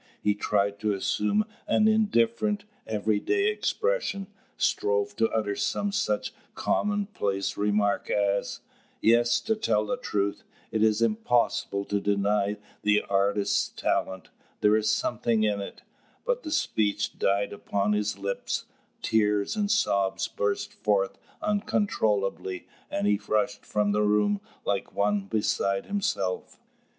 He tried to assume an indifferent, everyday expression; strove to utter some such commonplace remark as; "Yes, to tell the truth, it is impossible to deny the artist's talent; there is something in it;" but the speech died upon his lips, tears and sobs burst forth uncontrollably, and he rushed from the room like one beside himself.